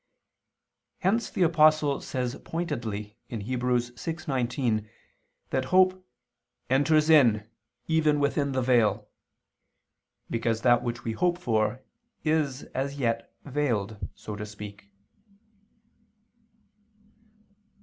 Hence the Apostle says pointedly (Heb. 6:19) that hope "enters in, even within the veil," because that which we hope for is as yet veiled, so to speak.